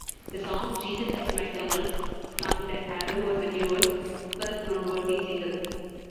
The song "Jesus at McDonald's" from that album was the duo's first noteworthy single.